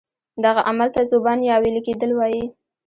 دغه عمل ته ذوبان یا ویلي کیدل وایي.